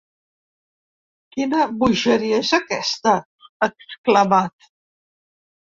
Quina bogeria és aquesta?, ha exclamat.